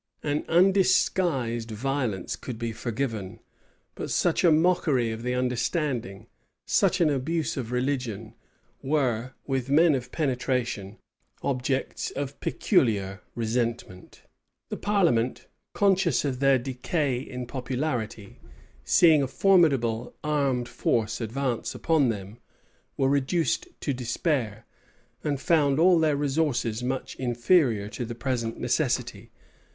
An undisguised violence could be forgiven: but such a mockery of the understanding, such an abuse of religion, were, with men of penetration, objects of peculiar resentment. The parliament, conscious of their decay in popularity, seeing a formidable armed force advance upon them, were reduced to despair, and found all their resources much inferior to the present necessity.